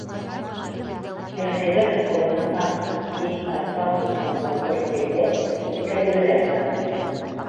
- Мирхәйҙәров ҡулына аҡ сүс арҡан тотҡан һонтор иргә текәлеберәк ҡараны.